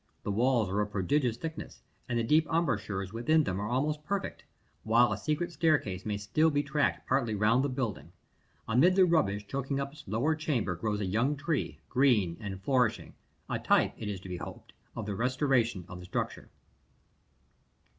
The walls are of prodigious thickness, and the deep embrasures within them are almost perfect; while a secret staircase may still be tracked partly round the building. Amid the rubbish choking up its lower chamber grows a young tree, green and flourishing a type, it is to be hoped, of the restoration of the structure.